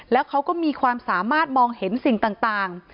แล้วเขาก็มีความสามารถมองเห็นสิ่งต่าง